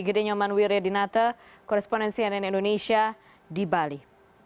korrespondensi ann indonesia di bali